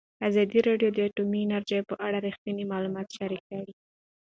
ازادي راډیو د اټومي انرژي په اړه رښتیني معلومات شریک کړي.